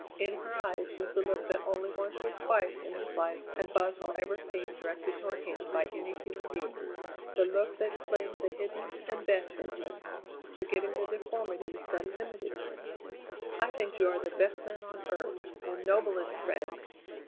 In her eyes was the look that only once or twice in his life had Boswell ever seen directed toward him by any human being the look that claimed the hidden and best in him, forgetting the deformities that limited him. "I think you are the best man on earth, the noblest friend.